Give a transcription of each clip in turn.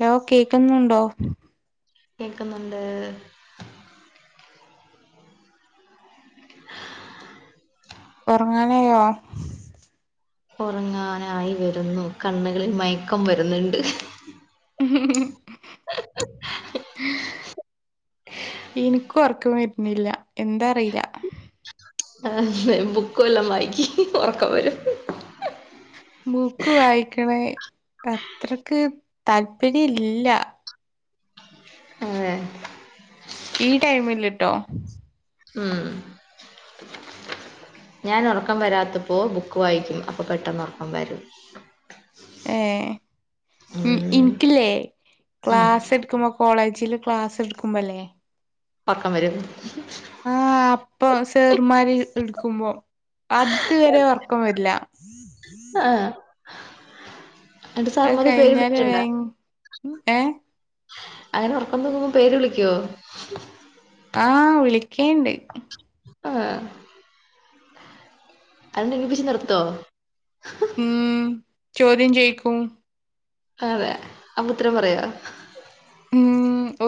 Law, കേക്കുന്നുണ്ടോ?. കേക്കുന്നുണ്ട്. [unintelligible] ഒറങ്ങാനായോ? ഒറങ്ങാനായി വരുന്നു. കണ്ണുകളിൽ മയക്കം വരുന്നുണ്ട്. [unintelligible] ഇന്ക്കും ഒറക്കം വര്ണില്ല. എന്താ അറിയില്ല. ആന്ന് ബുക്ക്‌ വല്ലോം വായിക്കി. ഒറക്കം വരും. ബുക്ക് വായിക്കണേ അത്രക്ക് താല്പര്യ ഇല്ല. അതെ ഈ ടൈമില്ട്ടോ. ഉം... ഞാൻ ഉറക്കം വരാത്തപ്പോൾ ബുക്ക് വായിക്കും അപ്പോൾ പെട്ടെന്ന് ഉറക്കം വരും.. ഏ മ് ഉം എന്ക്കല്ലേ ഉം ക്ലാസ്സ്‌.. ക്ലാസ്സ്‌ എടുക്കുമ്പോ കോളേജിൽ ക്ലാസ്ടുക്കുമ്പോല്ലേ. ഉറക്കം വരും. ആഹ് അപ്പൊ സേർമാര് എടുക്കുമ്പോ അത്ത് വരെ ഉറക്കം വരില്ല. ആഹ് എന്നട്ട് അത് സാറമ്മാർ പേര്? കഴിഞ്ഞാല് [unintelligible] ഏ അങ്ങനെ ഉറക്കം തൂങ്ങുമ്പോ പേര് വിളിക്കുവോ? [inaudible] ആഹ് വിളിക്കേണ്ട്. ആഹ... [unintelligible] നിർത്തോ ഉം... ചോദ്യം ചോയ്കും അതെ അപ്പോ ഉത്തരം പറയോ ഉം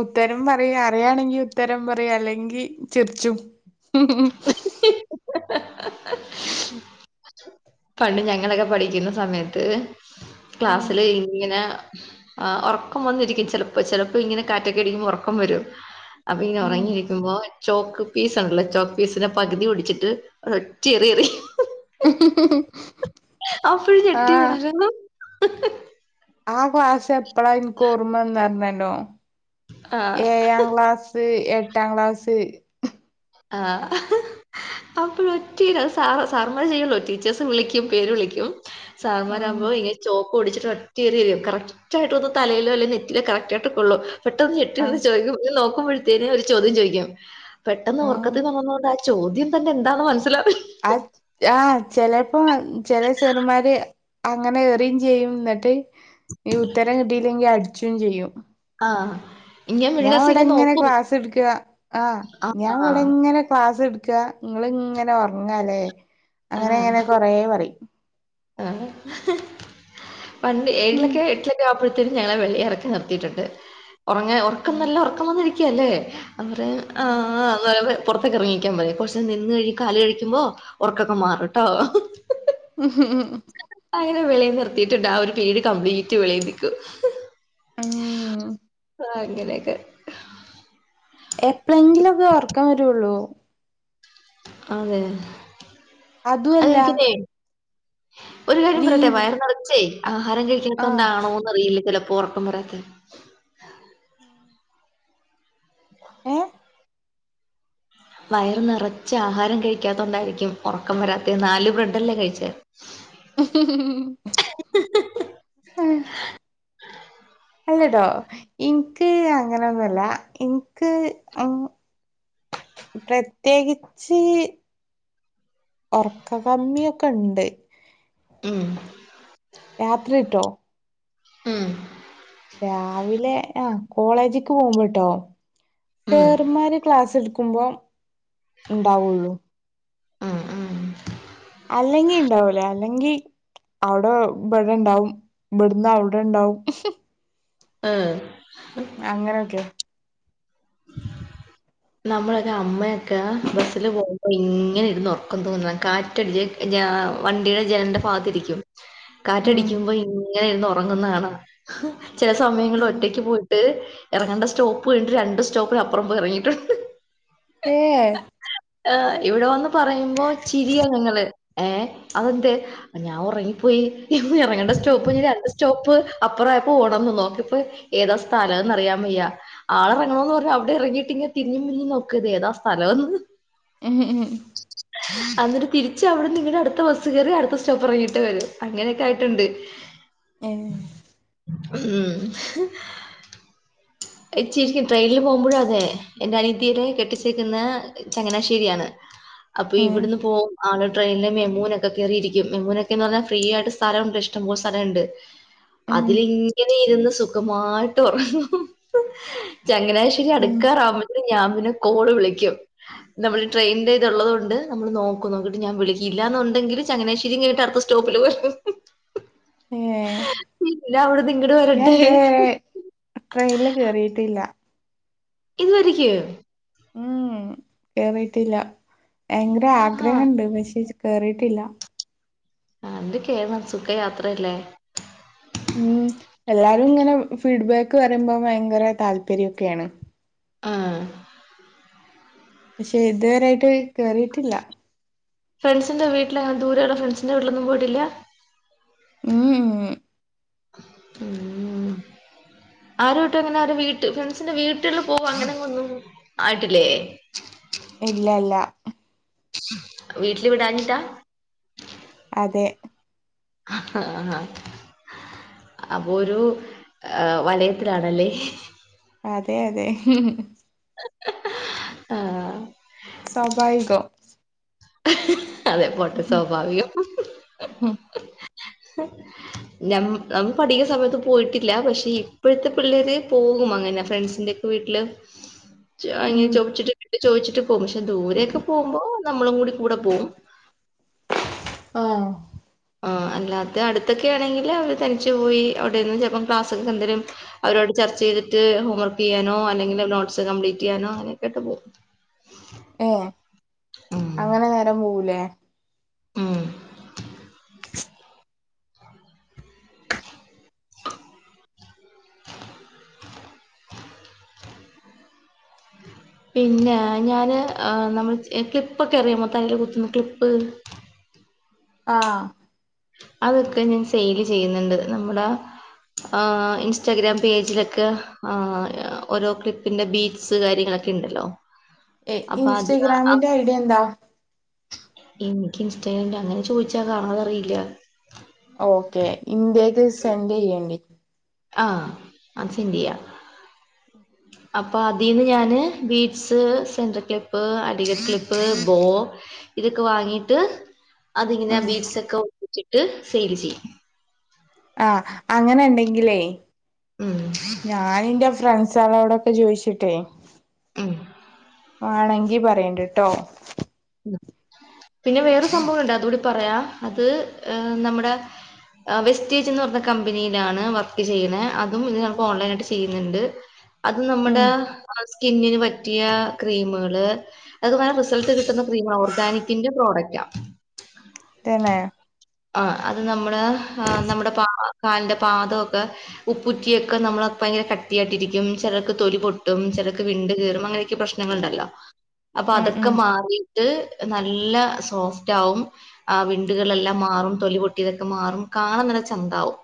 ഉത്തരം പറയാ അറിയണെങ്കി ഉത്തരം പറയാ അല്ലെങ്കിൽ ചിറിച്ചും [unintelligible] [inaudible] പണ്ട് ഞങ്ങളൊക്കെ പഠിക്കുന്ന സമയത്ത് ഉം ക്ലാസ്സില് ഇങ്ങനെ ആ ഉറക്കം വന്നിരിക്കും ചിലപ്പോ ചിലപ്പോ ഇങ്ങനെ കാറ്റൊക്കെ ഇടിക്കുമ്പോ ഉറക്കം വരും അപ്പൊ ഇനി ഉം ഉറങ്ങിയിരിക്കുമ്പോ ചോക്ക് പീസ് ഉണ്ടല്ലോ ചോക്ക് പീസിന്റെ പകുതി ഒടിച്ചിട്ട് ഒറ്റ എറി എറിയും [unintelligible] [unintelligible] അപ്പഴ് ഞെട്ടി ആഹ് ഉണരുന്ന് [unintelligible] ആ ക്ലാസ് എപ്പഴാ എനിക്ക് ഓർമ്മന്ന ആഹ് [unintelligible] ഏഴാം ക്ലാസ് എട്ടാം ക്ലാസ് ആഹ് [unintelligible] അപ്പോഴ ഒറ്റ [unintelligible] സാർമ്മാര് ചെയ്യുള്ളോ ടീച്ചേഴ്സ് വിളിക്കും പേര് വിളിക്കും ഉം സാർന്മാർകുമ്പോ ഇങ്ങന ചോക്ക് ഒടിച്ചിട്ട് ഒറ്റ എറി എറിയും കറക്റ്റ് ആയിട്ട് അത് തലയിലോ അല്ലെങ്ക നെറ്റിലോ കറക്റ്റ് ആയിട്ട് കൊള്ളും പെട്ടെന്ന് ഞെട്ടി ആഹ് എണീറ്റ് ചോദക്കും നോക്കുമ്പോഴത്തേനും ഒരു ചോദ്യം ചോദിക്കും പെട്ടെന്ന് ആഹ് ഓർക്കത്തി ഉണർന്നോണ്ട് ആ ചോദ്യം തന്നെ എന്താെന്ന് മനസ്സിലാവില്ല അഹ് ആഹ് ചിലപ്പോ ചില സേറുമാര് അങ്ങനെ എറിയും ചെയ്യും എന്നിട്ട് ഈ ഉത്തരം കിട്ടീല്ലെങ്കി അടിച്ചും ചെയ്യും ആഹ് ഞാൻ ഇവിടെ എങ്ങനെ ക്ലാസ് എടുക്കുക ആ ഞാൻ ഇവിടെ എങ്ങനെ ക്ലാസ് എടുക്കുക നിങ്ങളിങ്ങനെ ഉറങ്ങല്ലേ ആ. അങ്ങനെ ഇങ്ങനെ കൊറ പറയും ആ പണ്ട് ഉം ഏഴിലൊക്കെ എട്ടിലൊക്കെ അപ്പഴത്തേും ഞങ്ങളെ വെള്ളിയി ഇറക്കി നിർത്തിയിട്ടുണ്ട് ഉറങ്ങ ഉറക്കം നല്ല ഉറക്കം വന്നിരിക്കല്ലേ അന്നേരം ആ ഉം ആ [unintelligible] പുറത്തൊക്കെ ഇറങ്ങിക്കാൻ പറയും കൊറചൊക്കെ നിന്ന് കഴിക്ക കല് കഴിക്കുമ്പോ ഉറക്കൊക്കെ മാറൂട്ടോ ഉം ഉം ഉം ഉ അങ്ങനെ വെളിയി നിർത്തിട്ടുണ്ട് ആ ഒരു പീരീഡ് കംപ്ലീറ്റ് വെളിയി നിൽക്കും ഉം ആ അങ്ങനെയൊക്കെ എപ്പോളെങ്കിലും ഒക്കെ ഉറക്കം വേരുള്ളു അതെ അത അതുമല്ല എനിക്കിന്നെ ഒരു കാര്യം നീ പറയട്ടെ വയർ നിറച്ചേ ആഹാരം ആഹ് കഴിക്കാത്തൊണ്ടാണോന്ന് അറിയില്ല ചിലപ്പോ ഉറക്കം വെരാത്തെ [inaudible] ഏഹ് വയർ നിറച്ച് ആഹാരം കഴിക്കാത്തണ്ടായിരിക്കും ഉറക്കം വരാത്തെ നാല് ബ്രെഡ്ല്ലേ കഴിച്ച ഉ [unintelligible] [unintelligible] അല്ലടോ എനിക്ക് അങ്ങനെന്നുമല്ല എനിക്ക് പ്രത്യേകിച്ച് ഉറക്ക കമ്മിയൊക്കെ ഉണ്ട് ഉം രാത്രി കേട്ടോ ഉം രാവിലെ ആഹ് കോളേജക്ക് പോകുമ്പോട്ടോ ഉം. സേറുമാര് ക്ലാസ് എടുക്കുമ്പോ ഉണ്ടാവുള്ളൂ ഉം ഉം അല്ലെങ്കി ഉണ്ടാവൂലേ അല്ലെങ്കി അവിടെ ഇവിടെ ഇണ്ടാവും ഇവിടുന്ന് അവിടെ ഇണ്ടാവും [unintelligible] ആഹ് അങ്ങനെയൊക്കെ നമ്മളൊക്കെ അമ്മയൊക്കെ ബസ്സില് പോകുമ്പോ ഇങ്ങനെ ഇരുന്ന് ഉറക്കം തോന്നുക കാറ്റടിച്ച് [unintelligible] വണ്ടിയുടെ ജനലിന്റെ ഭാഗത്തിരിക്കും ഉം കാറ്റടിക്കുമ്പോ ഇങ്ങനെ ഇരുന്ന് ഉറങ്ങുന്ന കാണാ [unintelligible] ചില സമയങ്ങളൾ ഒറ്റക്ക് പോയിട്ട് ഇറങ്ങേണ്ട സ്‌റ്റോപ്പ് കഴിഞ്ഞട്ട് രണ്ട് സ്റ്റോപ്പിന്പ്പുറം പോയി ഇറങ്ങിയിട്ടണ്ട് ഏഹ് ആഹ് ഇവിടെ വന്ന് പറയുമ്പോ ചിരി ഞങ്ങൾ ഏഹ് അതെന്ത് ഞാൻ ഉറങ്ങിപ്പോയി ഇറങ്ങേണ്ട സ്റ്റോപ്പ് കഴിഞ്ഞ് രണ്ട് സ്റ്റോപ്പ് അപ്പുറം ആപ്പോ ഒനർന്ന് നോക്കിപ്പോ ഏതാ സ്ഥലം എന്ന് അറിയാൻ വയ്യ ആള് ഇറങ്ങണന്ന് പറഞ്ഞു അവിടെ ഇറങ്ങിയിട്ടിങ്ങ് തിരിഞ്ഞു മിരിഞ്ഞു നോക്കത് ഏതാ സ്ഥലംന്ന് [unintelligible] എന്നിട്ട് തിരിച്ച് അവിടെ നിങ്ങുടെ അടുത്ത ബസ്സ് കയറി അടുത്ത സ്റ്റോപ്പ് ഇറങ്ങിയിട്ട് വര അങ്ങനെയൊക്കെ ആയിട്ടുണ്ട് ഏഹ് ഏഹ്‌ഷ് ചിരിക്കും ട്രെയിനില് പോകുമ്പോഴും അങ്ങനെയ എന്റെ അനിയതിരെ കെട്ടിച്ചേക്കുന്ന ചങ്ങനാശ്ശേരിയാണ് അപ്പൊ ഉം ഇവിടുന്ന് പോകും ആളോട് ട്രെയിനില് മെമൂനൊക്കെ കയറിയിരിക്കും മെമൂനൊക്കെന്ന് പറഞ്ഞൽ ഫ്രീ ആയിട്ട് സ്ഥലം ഇഷ്ടം പോല സ്ഥാലംണ്ട് ഉം അതിലിങ്ങനെ ഇരുന്ന് സുഖമായിട്ട് ഉറങ്ങു ചങ്ങനാ [unintelligible] ഉം അടുക്കാറാകുമ്പെ ഞാൻ പിന്നെ കോള് വിളിക്കും നമ്മള് ട്രെയിൻന്റെ ഇത് ഉള്ളത് കൊണ്ട് നമ്മൾ നോക്കും നോക്കിട്ട് ഞാൻ വിളിക്കല്ലയെന്നുണ്ടെങ്കിൽ ചങ്ങനശ്ശേരിയ കഴിഞ്ഞട്ട് അടുത്ത് [unintelligible] [inaudible] ഏഹ് അവിടുന്ന് ഇങ്ങോട്ട് വരട്ടെ ഞാൻഇതുവരെ ട്രെയിനില് കേയറിയിട്ടില്ല ഇതുവരക്കയൊ ഉം കേറിയിട്ടില്ല ഭയങ്കര ആഹാ ആഗ്രഹംണ്ട് പക്ഷേ കേറിയിട്ടില്ല ആഹ് എന്ത് കേറണം സുഖയാത്രയല്ലേ ഉം എല്ലാരും ഇങ്ങനെ ഫീഡ്ബാക്ക് പറയുമ്പോ ഭയങ്കര താല്പര്യംക്കെയാണ് ആഹ് പക്ഷെ ഇതുവരായിട്ട് കേറിയിട്ടില്ല ഫ്രണ്ട്സിന്റെ വീട്ടിൽ അങ്ങനെ ദൂരെയോ ഫ്രണ്ട്സിന്റെ വീട്ടിലൊന്നും പോയിട്ടില്ല മ്‌ഹ് ഉം [unintelligible] ആരുവയിട്ടും അങ്ങനെ ആ വീട്ട് ഫ്രണ്ട്സിന്റെ വീട്ടിലിൽ പോക അങ്ങനെ ഒന്നും ആയിട്ടില്ലേ ഇല്ല ഇല്ല വീട്ടില് വിടാനിട്ടാ അതെ ആഹ് ആഹ് അപ്പൊ ഒരു വലയത്തിലാണല്ലേ അതെ അതെ ആഹ സ്വഭാവികം അതെ പോട്ട് സ്വാഭാവികം ഉം ഉ നമ്മ നമ്മൾ പഠിക്കുന്ന സമയത്ത് പോയിട്ടില്ല പക്ഷെ ഇപ്പോഴത്തെ പിള്ളേര് പോകും അങ്ങനെ ഫ്രണ്ട്സിന്റെ വീട്ടിൽ [unintelligible] ഉം ചോദിച്ചിട്ട് പോകും പക്ഷെ ദൂരെയൊക്കെ പോകുമ്പോ നമ്മളും കൂടി കൂടെ പോകവും ആഹ ആ അല്ലാത്തെ അടുത്തൊക്കെ ആണെങ്കിൽ അവര് തനിച്ചു പോയി അവിടെന്ന് ചിലപ്പം ക്ലാസ്സൊക്കെ എന്തങ്കിലും അവരോട് ചർച്ച ചെയ്തിട്ട് ഹോംവർക്ക് ചെയ്യാനോ അല്ലെങ്കിൽ നോട്സ് കംപ്ലീറ്റ് ചെയ്യാനോ അനെയൊക്കെ ആട്ട് പോകും ഏ ഉം അങ്ങനെ നേരം പോവൂലേ മം പിന്നെ ഞാന് നമ്മൾ ക്ലിപ്പൊക്കെ അറിയാമോ തലൽ കുത്തുന്നു ക്ലിപ്പ് ആഹ അതൊക്കെ ഞാൻ സെയില് ചെയ്യുന്നുണ്ട് നമ്മുടെ ഇൻസ്റ്റഗ്രാം പേജിലൊക്കെ ആ ഓരോ ക്ലിപ്പിന്റെ ബീറ്റ് സ് കാര്യങ്ങളൊക്കെ ഉണ്ടല്ലോ ഏ ഇൻസ്റ്റഗ്രാമിന്റെ ഐഡിയ എന്താ എനിക്ക് ഇൻസ്റ്റഗ്രാമ അങ്ങനെ ചോദിച്ചാൽ കാണാതറിയില്ല ഓക്കെ എൻ്റെതിൽ സെൻറ്റ് ചെയ്യേണ്ടി ആഹ സെൻ്റ് ചെയ്യാ ഉം അപ്പൊ അതിൽന്ന് ഞാന് ബീറ്റ്സ് സെൻറർ ക്ലിപ്പ് അടികർ ക്ലിപ്പ് ബോ ഇതൊക്കെ വാങ്ങിട്ട് അതിങ്ങനെ ഉം ബീറ്റ്സ് ഒക്കെ ഒഴിച്ചിട്ട് സെയിൽ ചെയ്യും ആഹ അങ്ങനെ ഉണ്ടെങ്കിലേ ഉം ഞാന എറെ ഫ്രണ്ട്സ ആളോടെ ചോദിച്ചിട്ടേ ഉം ആണെങ്കി പറയണ്ട കേട്ടോ പിന്നെ വേറെ സംഭവം ഉണ്ട് അതുകൂടി പറയാം അത് ഏ നമ്മുടെ വെസ്റ്റേജ്ന്ന് പറഞ്ഞ കമ്പനിയിലാണ് വർക്ക് ചെയ്യണ അതും ഇത് നമുക്ക് ഓൺലൈൻ ആായിട്ട് ചെയ്യുന്നുണ്ട് അത് ഉം നമ്മുടെ സ്കിന്നിന് പറ്റിയ ക്രീമുകള് അത് വേ റിസൾട്ട് കിട്ട ക്രീമാകോ ഓർഗാനിക്കിന്റെ പ്രോഡക്റ്റ് ആണ് തന്നയ ആ അത് നമ്മള് നമ്മുടെ പ കാലിന്റെ പാദമൊക്കെ ഉപ്പുറ്റിയൊക്കെ നമ്മൾ ഭയര കട്ടി ആട്ടിരിക്കും ചിലർക്ക് തൊലി പൊട്ടും ചിലക്ക് വിണ്ട് കീറും അങ്ങനെയൊക്കെ പ്രശ്നം നിങ്ങ ഉണ്ടല്ലോ അപ്പൊ ഉം അതൊക്കെ ഉം മാറിയിട്ട് നല്ല സോഫ്റ്റ് ആകും ആ വിണ്ടുകളെല്ലാം മാറും തൊലിപൊട്ടിതൊക്കെ മാറും കാണ ചന്താവും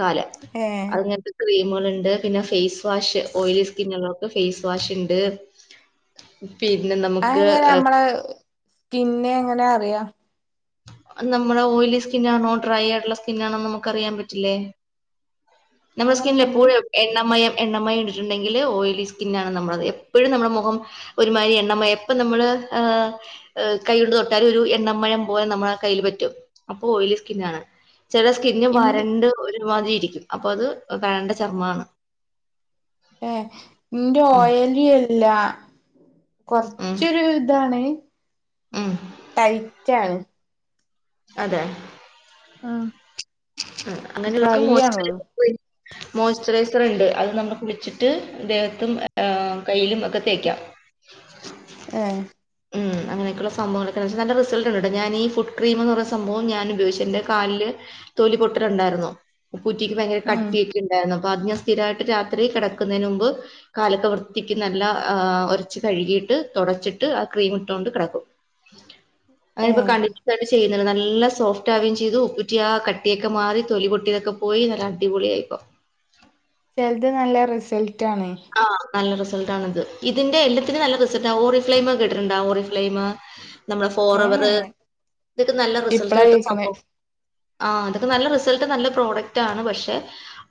കാല ഏ ക്രീമുകളുണ്ട് പിന്നെ ഫെയ്സ് വാഷ് ഓയിലി സ്കിന്നള്ളക്കെ ഫേ്സ് വാഷ് ഉണ്ട് പിന്നെ നമുക്ക് ഹെ ആ പിന്നെ എങ്ങനെ അറിയാം നമ്മുടെ ഓലി സ്കിൻാണോ ഡ്രൈ ആയിട്ടുള്ള സ്കിൻ ആണോ നമുക്ക് അറിയാൻ പറ്റില്ലേ ഉ നമ്മള സ്‌കിന്നി എപ്പോഴും എണ്ണമയം എണ്ണമയം ഇണ്ടിട്ടുണ്ടെങ്കില് ഓയിലി സ്കിന്നണ് നമ്മളത് എപ്പോഴും നമ്മുടെ മുഖം ഒരുമാതിരി എണ്ണമയം ഇ പ്പം നമ്മള്് കയോണ്ട് തൊട്ടാല് ഒരു എണ്ണമയം ഓല് നമ്മളെ കൈ പറ്റും അപോ ഓ യില് സ്കി നാണ് ച ചെലെ സ്കി ന്ന് ഇന്റെ വരണ്ട് അത് ഒരുമാതിയിരിക്കും അപ്പൊ അത് വേണ്ട ചർമ്മമാണ് ഏ നിന്റെ ഉം ഓയലി എല്ലാ ഉം കൊറച്ചൊരു ഇതാണ് ഉം ടൈറ്റാണ് അതെ ആ ഉം ട്രൈ അങ്ങനെയുള്ളൊക്കെ യ്യണോന്ന് മോയ്സ്ചറൈസർ മോയ്സ്ചറൈസർ ഉണ്ട് അത് നമ്മ കുളിച്ചിട്ട് ദേഹത്തും കയ്യിലും ഒക്കെ തേക്കാം ഹെ അങ്ങനൊക്കെയുള്ളയുള്ള സംഭവങ്ങളൊക്കേണ്ട് നല്ല റിസൽറ്റ്ൻഡ് ഞാൻ ഫുഡ്ക്രീംെന്ന് പറഞ്ഞ സംഭവം ഞാൻ ഉപയോഗിച് ൻ്റെ കാലിൽ തോലി പൊട്ടലുണ്ടായിരുന്നു പൂറ്റിക്ക് ഭയങ്കര ഉം കാട്ടിയായിട്ട് ണ്ടായിരുന്നു ഭാഗ്യം സ്ഥിരാ യിട്ട് രാത്രി കിടക്കുന്നതിന് മുമ്പ് കാലതായ് വൃത്തിക്ക് നല്ലആഒരച്ച് കഴുകിട്ട് തുടച്ചിട്ട് ഇത് ആ ക്രീ ഇട്ടോണ്ട് കിടക്കും അ ഏ കണ്ട കണ്ട ചെയ്യ് ഇന്ന നല്ല സോഫ്റ്റ് ആവുകയും ചെയ്തു ഉപ്പൂറ്റിയ ആ കട്ടിയൊക്കെ മാറി തൊലി പൊട്ടിയ തൊക്കെ പോയി നല്ല അടിപൊളിയായിപ്പോ ചെല്ത് നല്ല റിസൾട്ടആണ് ആഹ നല്ല റിസൽറ്റ്ആണ് ഇതിൻ്റെ എല്ലാത്തിലും നല്ല റിസൾട്ട ആ ഓറി ഫ്ലൈമ കേട്ടിട്ട് ണ്ടോ ഓറി ഫ്ലൈമ നമ്മള ഏ ഫോർഎവർ ഇതൊക്കെ നല്ല റിസൾട്ട് ഇപ്പളാ കിട്ടുന്ന കേക്കണേ സംഭവ ആഹ തൊക്കെ നല്ല റിസൾട്ട് നല്ല പ്രോഡക്റ്റ് ആണ് പക്ഷെ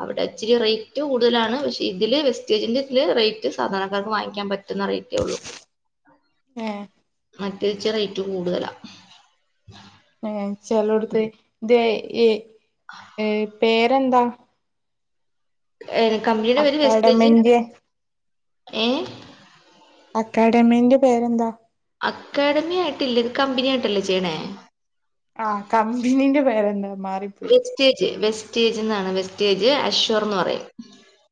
അവിടെ ച്ചിരി റേറ്റ് കൂടുതലാണ് പക്ഷെ ഇതില് - ഇതില് ഇത്തിരി റേറ്റ് സാധാരണക്കാക്ക് വാങ്ങിക്കാൻ പറ്റുന്ന റൈറ്റെ ള്ളൂ ഹേ മറ്റയിച്ചു റേറ്റ് കൂടുതലാണ് ഏ ചെലോടത് തെയ്ഈ പേരെന്താ ഏ കമ്പനിടെ ഒരു വെസ്റ്റേജ് അക്കാഡമിന്റെ ഏ അക്കാഡമിന്റെ പേരെന്താ അക്കാഡമി ആയിട്ടല്ല കമ്പനി ആയിട്ടല്ലേചെയ്യണേ ആ കമ്പിനിന്റെ പേരെന്താ മാറി വെസ്റ്റേജ് വെസ്റ്റേജ് എന്നാണ് വെസ്റ്റേജ് അഷ്വർ എന്ന് പറയും